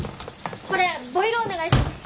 これボイルお願いします。